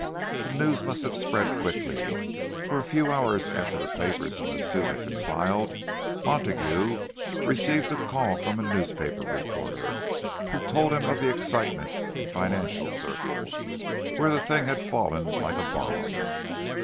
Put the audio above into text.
The news must have spread quickly, for a few hours after the papers in the suit had been filed, Montague received a call from a newspaper reporter, who told him of the excitement in financial circles, where the thing had fallen like a bomb.